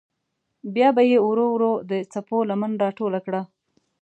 بیا به یې ورو ورو د څپو لمن راټوله کړه.